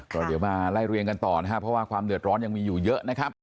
ก็เดี๋ยวมาไล่เรียงกันต่อนะครับเพราะว่าความเดือดร้อนยังมีอยู่เยอะนะครับ